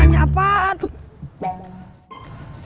buktinya akur akur aja